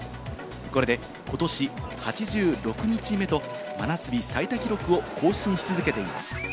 これでことし８６日目と真夏日最多記録を更新し続けています。